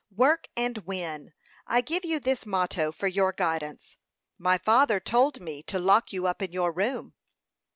Work and win; I give you this motto for your guidance. My father told me to lock you up in your room."